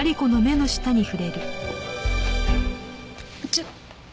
ちょっ。